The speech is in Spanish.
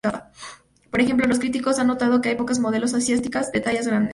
Por ejemplo, los críticos han notado que hay pocas modelos asiáticas de tallas grandes.